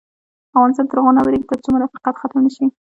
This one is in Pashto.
افغانستان تر هغو نه ابادیږي، ترڅو منافقت ختم نشي.